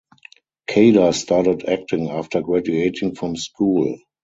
Kader started acting after graduating from school.